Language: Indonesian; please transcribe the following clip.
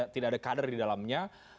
tidak ada kader di dalamnya